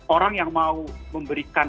orang yang mau memberikan